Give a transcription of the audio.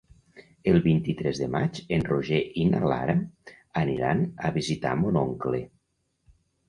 El vint-i-tres de maig en Roger i na Lara aniran a visitar mon oncle.